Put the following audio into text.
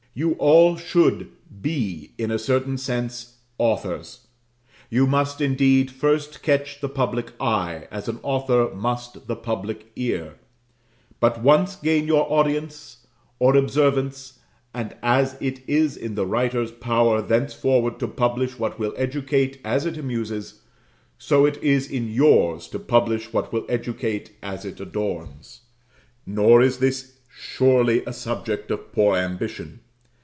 You all should, be, in a certain sense, authors: you must, indeed, first catch the public eye, as an author must the public ear; but once gain your audience, or observance, and as it is in the writer's power thenceforward to publish what will educate as it amuses so it is in yours to publish what will educate as it adorns. Nor is this surely a subject of poor ambition.